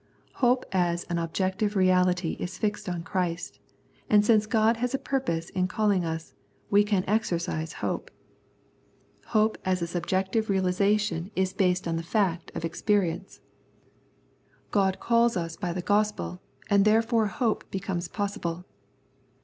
Hope as an ob jective reality is fixed on Christ, and since God has a purpose in calling us, we can exer cise hope. Hope as a subjective realisation 100 Wisdom and Revelation is based on the fact of experience. God calls us by the Gospel, and therefore hope becomes possible.